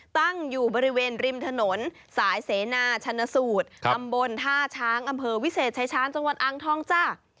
ตั้งอยู่บริเวณริมถนนสายเสนาชนสูตรตำบลท่าช้างอำเภอวิเศษชายชาญจังหวัดอ่างทองจ้ะ